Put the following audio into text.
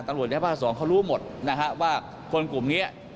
แม่ภาคสองเขารู้หมดนะฮะว่าคนกลุ่มนี้